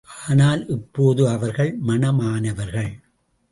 ஆனால் இப்போது அவர்கள் மணமானவர்கள்.